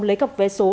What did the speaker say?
lấy cọc vé số